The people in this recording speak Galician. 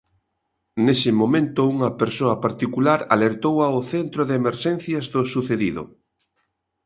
Nese momento, unha persoa particular alertou ao centro de emerxencias do sucedido.